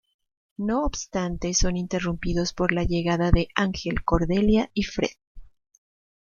No obstante son interrumpidos por la llegada de Angel, Cordelia y Fred.